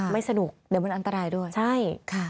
ไม่สนุกเดี๋ยวมันอันตรายด้วย